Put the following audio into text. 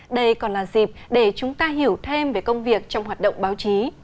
đây còn là dịp để chúng ta hiểu thêm về công việc trong hoạt động báo chí